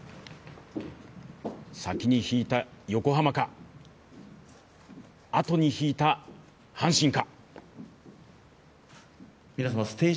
先に引いた横浜か後に引いた阪神か。